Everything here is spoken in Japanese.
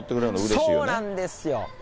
そうなんですよ。